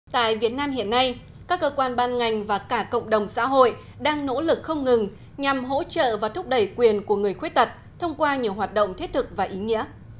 tại việt nam hiện nay các cơ quan ban ngành và cả cộng đồng xã hội đang nỗ lực không ngừng nhằm hỗ trợ và thúc đẩy quyền của người khuyết tật thông qua nhiều hoạt động thiết thực và ý nghĩa